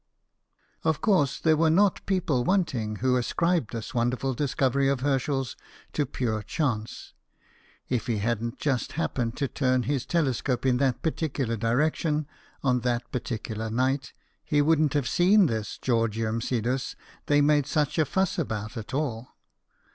Of course there were not people wanting who ascribed this wonderful discovery of Herschel's to pure chance. If he hadn't just happened to turn his telescope in that particular direction on that particular night, he wouldn't have seen this Georgium Sidus they made such a fuss about at all.